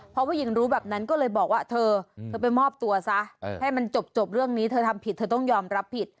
พอผู้หญิงรู้แบบนั้นก็เลยบอกว่าเธอเธอไปมอบตัวซะให้มันจบเรื่องนี้เธอทำผิดเธอต้องยอมรับผิด